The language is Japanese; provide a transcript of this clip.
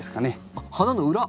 あっ花の裏？